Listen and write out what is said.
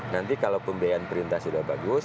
nanti kalau pembiayaan perintah sudah bagus